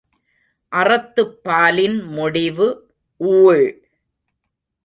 அறத்துப் பாலின் முடிவு ஊழ்!